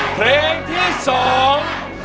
เพลงที่สอง